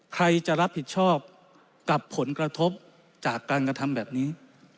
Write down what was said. ใครจะรับผิดชอบกับผลกระทบจากการกระทำแบบนี้